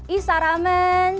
i sa ra men